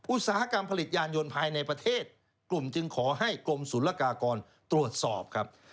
อุตสาหกรรมผลิตยานยนต์ภายในประเทศกลุ่มจึงขอให้กรมศูนย์ละกากรตรวจสอบครับ